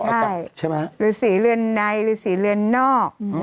ใช่ใช่ไหมหรือสีเรือนในหรือสีเรือนนอก